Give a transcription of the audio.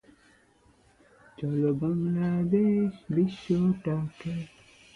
A good deal of the grain drops through the crevices.